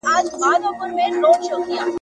طبيعيات او حساب مي هم مطالعه کړل